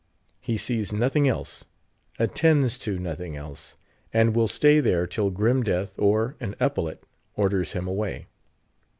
He sees nothing else, attends to nothing else, and will stay there till grim death or an epaulette orders him away.